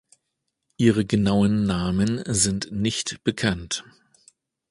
Ihre genauen Namen sind nicht bekannt.